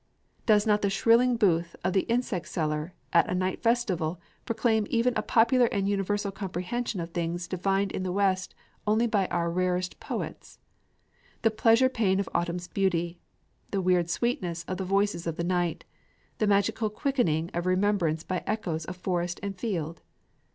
Does not the shrilling booth of the insect seller at a night festival proclaim even a popular and universal comprehension of things divined in the West only by our rarest poets: the pleasure pain of autumn's beauty, the weird sweetness of the voices of the night, the magical quickening of remembrance by echoes of forest and field?